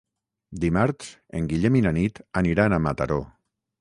Dimarts en Guillem i na Nit aniran a Mataró.